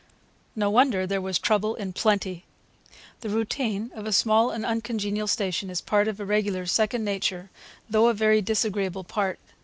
No wonder there was trouble in plenty. The routine of a small and uncongenial station is part of a regular's second nature, though a very disagreeable part.